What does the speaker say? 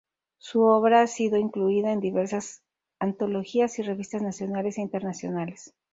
Su obra ha sido incluida en diversas antologías y revistas nacionales e internacionales.